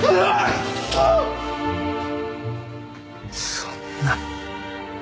そんな。